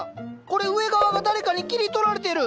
これ上側が誰かに切り取られてる！